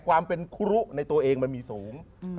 ความเป็นครุในตัวเองมันมีสูง